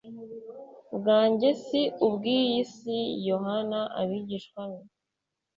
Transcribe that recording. bwanjye si ubw iyi si yohana abigishwa be